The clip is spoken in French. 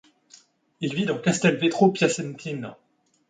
Il vit dans Castelvetro Piacentino.